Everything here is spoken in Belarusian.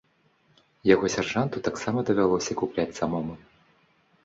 Яго сяржанту таксама давялося купляць самому.